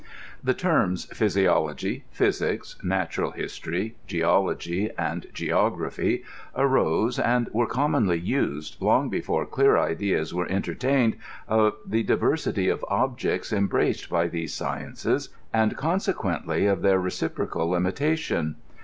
The terms physiology, physics, natural history, geology, and geography arose, and w^^e commonly used, long befcse clear ideas were entertained of the diversity of objects embraced by these sciences, and consequently of their reciprocal limitation.